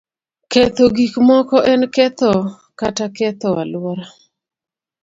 Ketho gik moko en ketho kata ketho alwora.